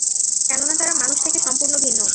কেননা তারা মানুষ থেকে সম্পূর্ণ ভিন্ন।